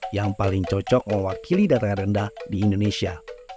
yang paling cocok mewakili data rendah di indonesia